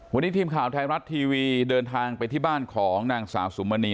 วันนี้ทีมข่าวไทยรัฐทีวีเดินทางไปที่บ้านของนางสาวสุมณี